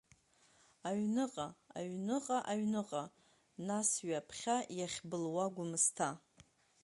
Аҩныҟа, аҩныҟа, аҩныҟа, нас ҩаԥхьа иахьбылуа Гәымсҭа.